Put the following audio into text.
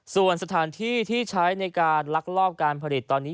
ส่วนสถานที่ที่ใช้ในการลักลอบการผลิตตอนนี้